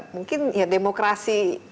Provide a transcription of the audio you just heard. mungkin ya demokrasi